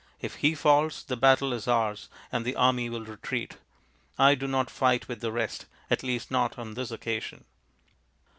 If he falls, the battle is ours and the army will retreat. I do not fight with the rest, at least not on this occasion."